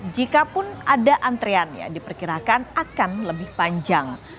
jikapun ada antreannya diperkirakan akan lebih panjang